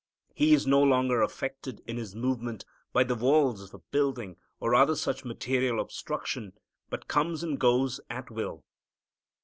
He is no longer affected in His movements by the walls of a building or other such material obstruction, but comes and goes at will.